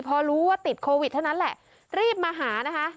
พอรู้ว่าติดโควิดเท่านั้นแหละรีบมาหานะคะ